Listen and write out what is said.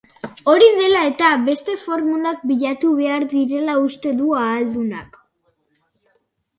Hori dela eta, beste formulak bilatu behar direla uste du ahaldunak.